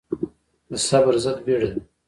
د صبر ضد بيړه ده.